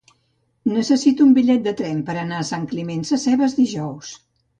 Necessito un bitllet de tren per anar a Sant Climent Sescebes dijous.